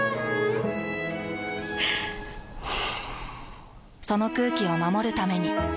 ふぅその空気を守るために。